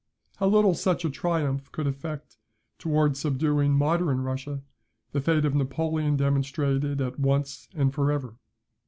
How little such a triumph could effect towards subduing modern Russia, the fate of Napoleon demonstrated at once and for ever.